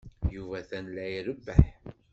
Yuba atan la irebbeḥ.